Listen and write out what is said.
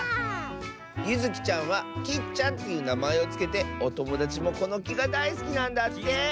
ゆずきちゃんは「きっちゃん」っていうなまえをつけておともだちもこのきがだいすきなんだって！